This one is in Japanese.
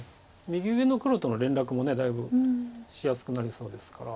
右上の黒との連絡もだいぶしやすくなりそうですから。